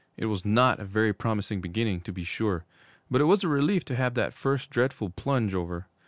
It was not a very promising beginning, to be sure, but it was a relief to have that first dreadful plunge over.